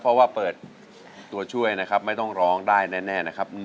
เพราะว่าเปิดตัวช่วยนะครับไม่ต้องร้องได้แน่นะครับ